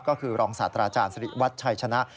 ก็คือรองศาสตราจารย์สิริวัตรชัยชนะ